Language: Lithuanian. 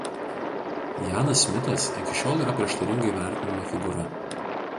Janas Smitas iki šiol yra prieštaringai vertinama figūra.